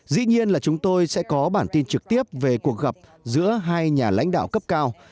dĩ nhiên là chúng tôi sẽ có bản tin trực tiếp về cuộc gặp giữa hai nhà lãnh đạo cấp cao